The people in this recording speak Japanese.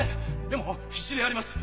でも必死でやります！